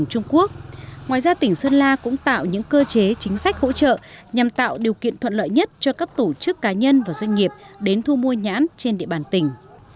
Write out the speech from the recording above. ngoài ra tỉnh sơn la cũng tạo những cơ chế chính sách hỗ trợ nhằm tạo điều kiện thuận lợi nhất cho các tổ chức cá nhân và doanh nghiệp đến thu mua nhãn trên địa bàn tỉnh